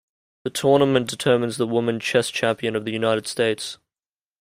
The tournament determines the woman chess champion of the United States.